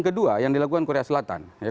kedua yang dilakukan korea selatan